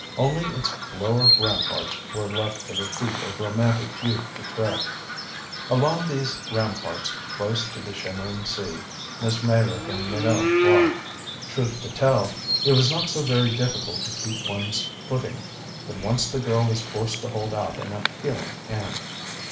Only its lower ramparts were left for the feet of romantic youth to tread. Along these ramparts, close to the shimmering sea, Miss Meyrick and Minot walked. Truth to tell, it was not so very difficult to keep one's footing but once the girl was forced to hold out an appealing hand.